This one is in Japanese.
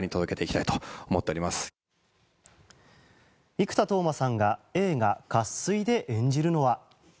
生田斗真さんが映画「渇水」で演じるのは。